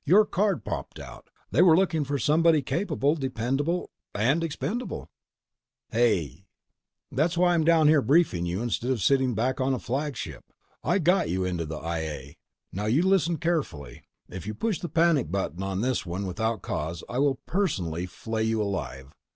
Your card popped out. They were looking for somebody capable, dependable ... and ... expendable!" "Hey!" "That's why I'm down here briefing you instead of sitting back on a flagship. I got you into the I A. Now, you listen carefully: If you push the panic button on this one without cause, I will personally flay you alive.